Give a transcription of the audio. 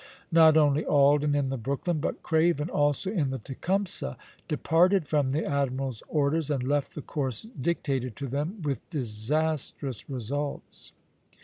Not only Alden in the "Brooklyn," but Craven also in the "Tecumseh," departed from the admiral's orders and left the course dictated to them, with disastrous results.